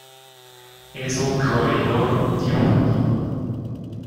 Es un roedor diurno.